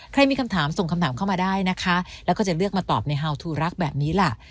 มีคำถามส่งคำถามเข้ามาได้นะคะแล้วก็จะเลือกมาตอบในฮาวทูรักแบบนี้ล่ะ